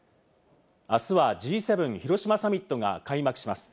あすはＧ７広島サミットが開幕します。